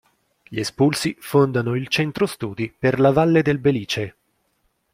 Gli espulsi fondano il Centro Studi per la Valle del Belice.